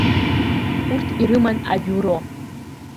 Урҭ ирыман абиуро.